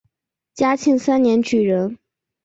嘉庆三年举人。